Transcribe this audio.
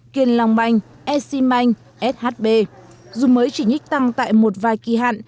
kiên long bank sc bank shb dù mới chỉ nhích tăng tại một vài kỳ hạn